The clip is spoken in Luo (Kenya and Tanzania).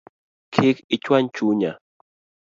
Kik ichuany chunya